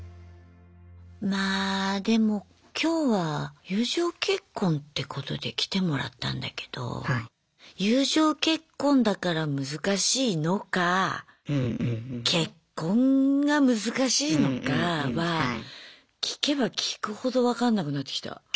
まあでも今日は友情結婚ってことで来てもらったんだけど友情結婚だから難しいのか結婚が難しいのかは聞けば聞くほど分かんなくなってきた。